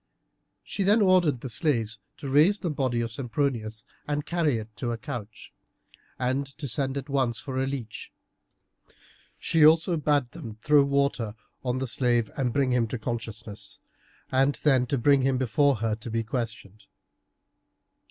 She then ordered the slaves to raise the body of Sempronius and carry it to a couch, and to send at once for a leech. She also bade them throw water on the slave and bring him to consciousness, and then to bring him before her to be questioned.